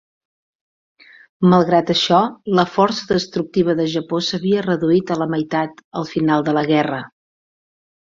Malgrat això, la força destructiva de Japó s'havia reduït a la meitat al final de la guerra.